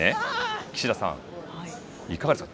岸田さん、いかがですか。